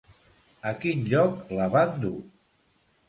A quin lloc la van dur?